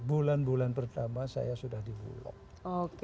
bulan bulan pertama saya sudah dibuat